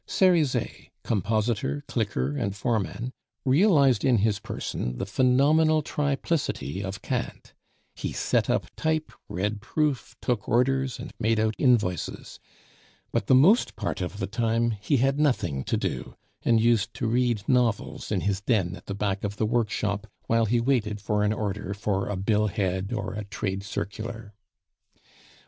Cerizet, compositor, clicker, and foreman, realized in his person the "phenomenal triplicity" of Kant; he set up type, read proof, took orders, and made out invoices; but the most part of the time he had nothing to do, and used to read novels in his den at the back of the workshop while he waited for an order for a bill head or a trade circular.